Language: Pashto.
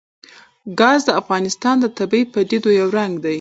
ګاز د افغانستان د طبیعي پدیدو یو رنګ دی.